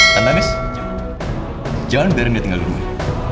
tante andis jangan biarkan dia tinggal di rumah